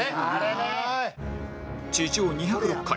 地上２０６階